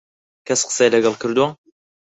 کەس قسەی لەگەڵ کردووە؟